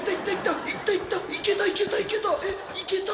いけたいけたいけたえっいけた！